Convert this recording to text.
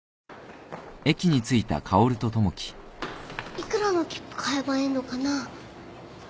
幾らの切符買えばいいのかな。